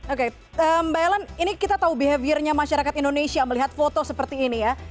oke mbak ellen ini kita tahu behaviornya masyarakat indonesia melihat foto seperti ini ya